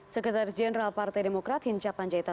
sekretaris jenderal partai demokrat hinca panjaitan